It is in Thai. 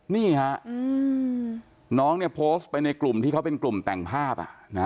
นี่ฮะน้องเนี่ยโพสต์ไปในกลุ่มที่เขาเป็นกลุ่มแต่งภาพ